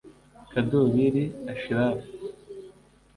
Kadubiri Ashraf